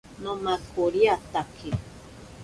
Nomakoriatake.